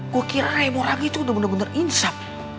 gue kira ray mau ragi tuh udah bener bener insap